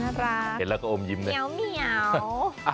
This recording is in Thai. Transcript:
น่ารักเห็นแล้วก็โอมยิ้มเนี่ยเมี๊ยว